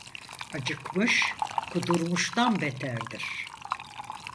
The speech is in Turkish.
Acıkmış kudurmuştan beterdir.